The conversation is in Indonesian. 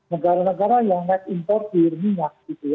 negara negara yang naik impor biru minyak